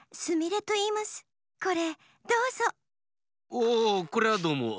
おおこれはどうも。